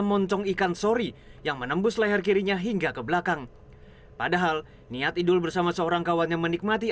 langsung dia masuk dalam dalam laut itu dia pegangnya itu langsung dia mati